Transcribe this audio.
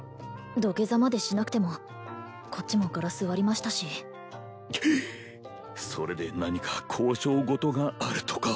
土下座までしなくてもこっちもガラス割りましたしそれで何か交渉事があるとか？